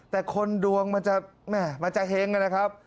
แต่คนดวงมันจะเฮงนะครับ